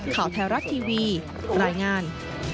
ข่าวไทยรัฐทีวีรายงาน